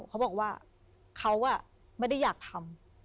เขาบอกว่าเขาไม่ได้อยากทำ